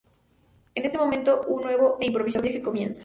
En ese momento un nuevo e improvisado viaje comienza.